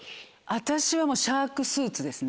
私はもうシャークスーツですね。